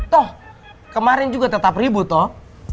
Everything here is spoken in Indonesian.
toh kemarin juga tetap ribut toh